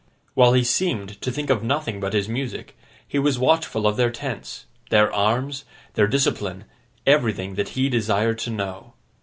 While he seemed to think of nothing but his music, he was watchful of their tents, their arms, their discipline, everything that he desired to know.